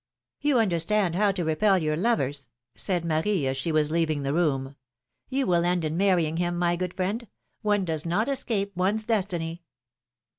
You understand how to repel your lovers," said Marie, as she was leaving the room. You will end in marrying him, my good friend ; one does not escape one's destiny